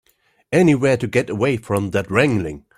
Anywhere to get away from that wrangling.